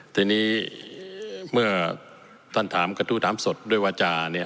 ทีนี้เมื่อท่านถามกระทู้ถามสดด้วยวาจาเนี่ย